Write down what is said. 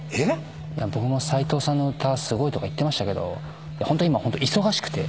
僕も斎藤さんの歌すごいとか言ってましたけどホントに今忙しくて。